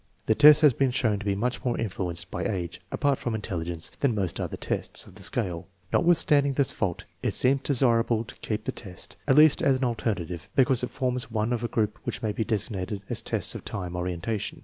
The test has been shown to be much more influenced by age, apart from intelligence, than most other tests of the scale. Notwithstanding this fault, it seems desirable to keep the test, at least as an alternative, because it forms one of a group which may be designated as tests of time orientation.